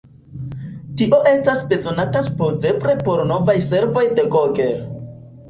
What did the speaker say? Tio estas bezonata supozeble por novaj servoj de Google.